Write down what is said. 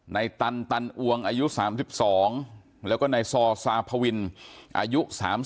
ตันตันอวงอายุ๓๒แล้วก็นายซอซาพวินอายุ๓๐